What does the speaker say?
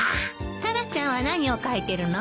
タラちゃんは何を描いてるの？